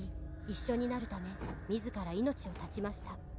「一緒になるため自ら命を絶ちました」